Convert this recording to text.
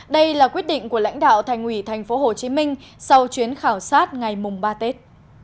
đây là quyết định của lãnh đạo thành ủy tp hcm sau chuyến khảo sát ngày ba tết